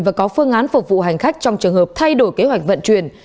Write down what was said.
và có phương án phục vụ hành khách trong trường hợp thay đổi kế hoạch vận chuyển